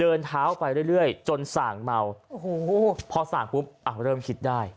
เดินเท้าไปเรื่อยจนส่างเมาพอส่างคุ้มอ่ะเริ่มคิดได้